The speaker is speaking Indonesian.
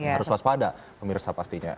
harus waspada pemirsa pastinya